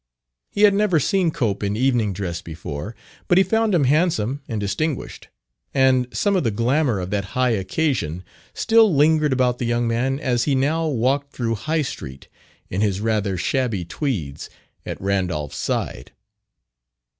He had never seen Cope in evening dress before; but he found him handsome and distinguished, and some of the glamour of that high occasion still lingered about the young man as he now walked through High Street, in his rather shabby tweeds, at Randolph's side.